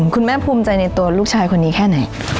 ภูมิใจในตัวลูกชายคนนี้แค่ไหน